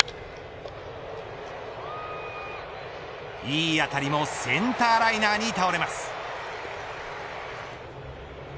いい当たりもセンターライナーに倒れます。